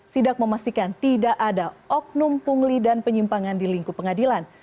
sidak memastikan tidak ada oknum pungli dan penyimpangan di lingkup pengadilan